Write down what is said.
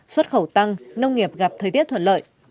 xuất khẩu tăng nông nghiệp gặp thời tiết thuận lợi